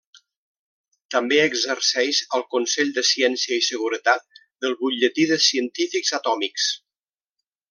També exerceix al Consell de ciència i seguretat del Butlletí de Científics Atòmics.